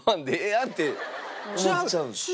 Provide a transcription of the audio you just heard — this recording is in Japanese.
えっ？